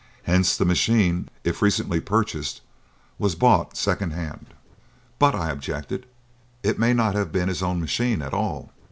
Hence the machine, if recently purchased, was bought second hand." "But," I objected, "it may not have been his own machine at all."